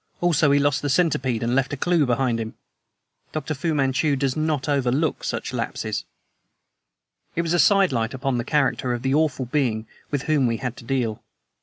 Also, he lost the centipede and left a clew behind him. Dr. Fu Manchu does not overlook such lapses." It was a sidelight upon the character of the awful being with whom we had to deal.